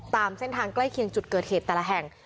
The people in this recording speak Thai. ตามเส้นทางใกล้เคียงจุดเกิดเหตุแต่ละแห่ง